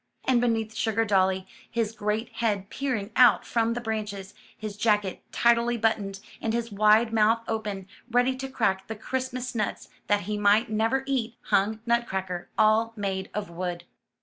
And beneath Sugardolly, his great head peering out from the branches, his jacket tidily buttoned, and his wide mouth open, ready to crack the Christmas nuts that he might never eat, hung Nutcracker, all made of wood.